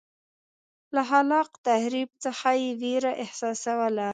له خلاق تخریب څخه یې وېره احساسوله.